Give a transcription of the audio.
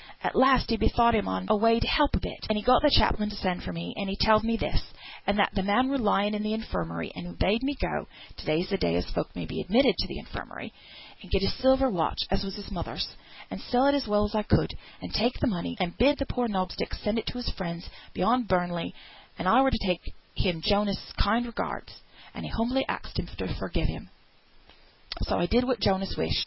At last he bethought him on a way to help a bit, and he got th' chaplain to send for me; and he telled me this; and that th' man were lying in th' Infirmary, and he bade me go (to day's the day as folk may be admitted into th' Infirmary) and get his silver watch, as was his mother's, and sell it as well as I could, and take the money, and bid the poor knob stick send it to his friends beyond Burnley; and I were to take him Jonas's kind regards, and he humbly axed him to forgive him. So I did what Jonas wished.